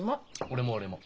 俺も俺も。